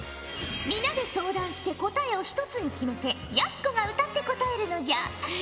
皆で相談して答えを１つに決めてやす子が歌って答えるのじゃ。え！？